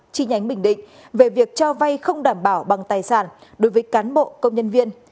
chi nhánh bình định về việc cho vay không đảm bảo bằng tài sản đối với cán bộ công nhân viên